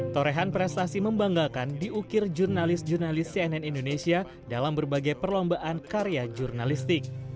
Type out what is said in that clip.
torehan prestasi membanggakan diukir jurnalis jurnalis cnn indonesia dalam berbagai perlombaan karya jurnalistik